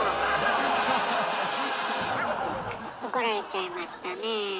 怒られちゃいましたね。